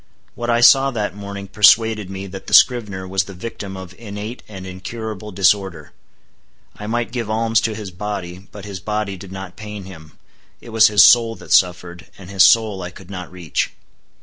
What I saw that morning persuaded me that the scrivener was the victim of innate and incurable disorder. I might give alms to his body; but his body did not pain him; it was his soul that suffered, and his soul I could not reach.